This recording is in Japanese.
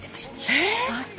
えっ！？